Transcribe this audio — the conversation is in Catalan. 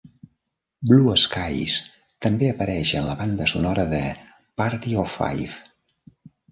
"Blue Skies" també apareix en la banda sonora de "Party of Five".